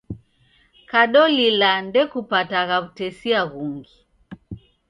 Kadolila ndekupatagha w'utesia ghungi